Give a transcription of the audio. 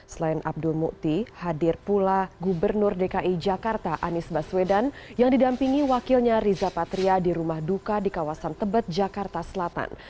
selain abdul mukti hadir pula gubernur dki jakarta anies baswedan yang didampingi wakilnya riza patria di rumah duka di kawasan tebet jakarta selatan